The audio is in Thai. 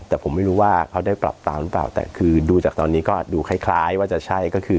แต่ผมไม่รู้ว่าเขาได้ปรับตามหรือเปล่าแต่คือดูจากตอนนี้ก็ดูคล้ายว่าจะใช่ก็คือ